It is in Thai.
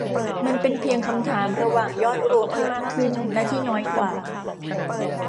มันเป็นเพียงคำถามระหว่าง ยอดรวมที่มากขึ้นและที่น้อยกว่า